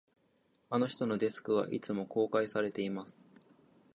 あの人のデスクは、いつも公開されています